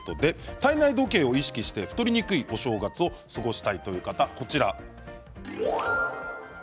体内時計を意識して太りにくいお正月を過ごしたいという方、こちらです。